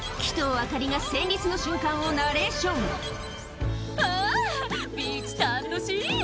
明里が戦慄の瞬間をナレーション「わぁビーチ楽しい！」